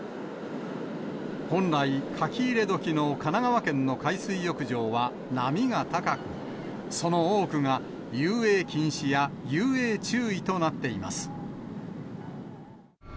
本来、書き入れ時の神奈川県の海水浴場は波が高く、その多くが遊泳禁止や遊泳注意となっています。